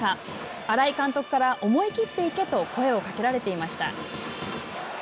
新井監督から、思い切っていけと声をかけられていました。